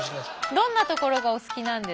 どんなところがお好きなんですか？